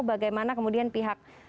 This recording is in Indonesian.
bagaimana kemudian pihak